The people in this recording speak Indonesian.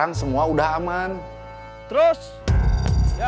yang itu malah something keras kalahkan